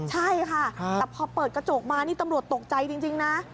แต่พอเปิดกระโจกมานี่ตำรวจตกใจจริงจริงนะ